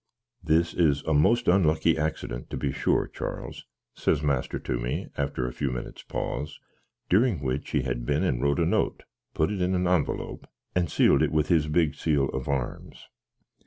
"This is a most unlucky axdent, to be sure, Charles," says master to me, after a few minnits paws, during which he had been and wrote a note, put it into an anvelope, and sealed it with his bigg seal of arms.